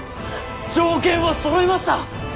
条件はそろいました。